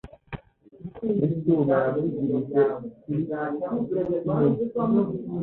N'icyuma navugilije kuli Cyinuma.